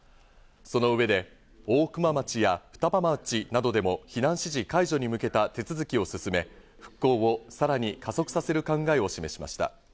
その上で大熊町や双葉町などでも避難指示解除に向けた手続きを進め、復興をさらに加速させる考えを示しました。